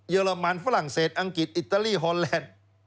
อรมันฝรั่งเศสอังกฤษอิตาลีฮอนแลนด์